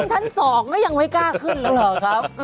ขึ้นชั้นสองแล้วยังไม่กล้าขึ้นแล้วหรอครับ